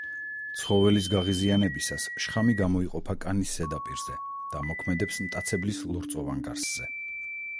ცხოველის გაღიზიანებისას შხამი გამოიყოფა კანის ზედაპირზე და მოქმედებს მტაცებლის ლორწოვან გარსზე.